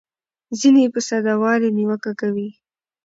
ځینې یې په ساده والي نیوکه کوي.